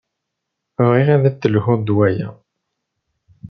Bɣiɣ ad d-telhuḍ d waya.